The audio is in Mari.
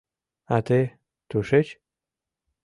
— А те... тушеч?